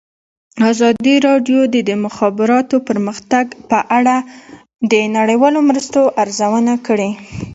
ازادي راډیو د د مخابراتو پرمختګ په اړه د نړیوالو مرستو ارزونه کړې.